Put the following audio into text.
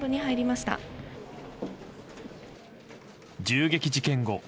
銃撃事件後